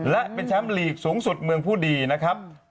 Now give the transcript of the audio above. และเป็นแชมป์ลีกสูงสุดเมืองผู้ดีนะครับ